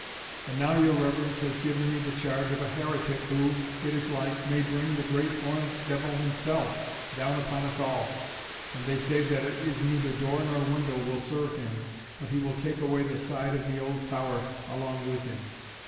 And now your reverence has given me the charge of a heretic, who, it is like, may bring the great horned devil himself down upon us all; and they say that it is neither door nor window will serve him, but he will take away the side of the auld tower along with him.